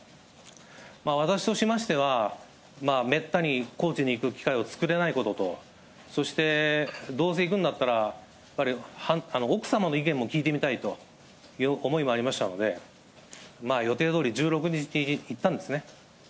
私としましては、めったに高知に行く機会を作れないことと、そしてどうせ行くんだったら、やっぱり奥様の意見も聞いてみたいという思いもありましたので、予定どおり１６日に行ったんですね。